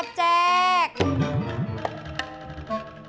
ya udah aku tunggu